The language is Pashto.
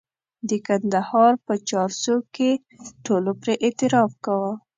د کندهار په چارسو کې ټولو پرې اعتراف کاوه.